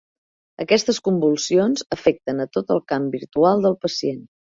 Aquestes convulsions afecten a tot el camp visual del pacient.